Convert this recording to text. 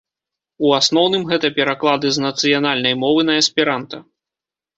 У асноўным гэта пераклады з нацыянальнай мовы на эсперанта.